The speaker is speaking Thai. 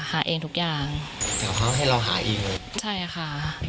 หาเองทุกอย่างเดี๋ยวเขาให้เราหาเองเลยใช่ค่ะ